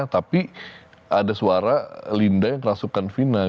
tapi ada suara linda yang kerasukan fina